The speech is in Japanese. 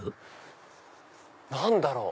何だろう？